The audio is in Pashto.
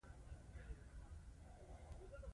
ما ورته وویل: تر اوسه مې تبه نه ده شوې، زه ناروغ نه یم.